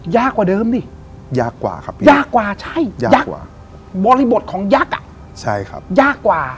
ยากกว่าเดิมนี่ยากกว่าใช่ยักษ์บริบทของยักษ์อะยากกว่า